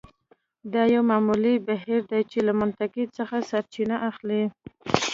دا یو معمول بهیر دی چې له منطق څخه سرچینه اخلي